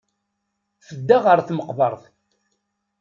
Tedda ɣer tmeqbert.